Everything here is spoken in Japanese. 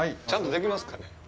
ちゃんとできますかね。